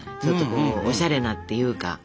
ちょっとおしゃれなっていうか。